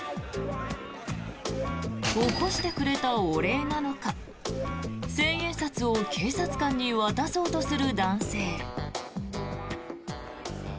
起こしてくれたお礼なのか千円札を警察官に渡そうとする男性。